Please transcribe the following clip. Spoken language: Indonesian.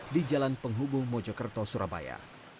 di jalan penghubung mojokerto surabaya